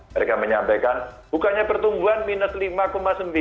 mereka menyampaikan bukannya pertumbuhan minus lima sembilan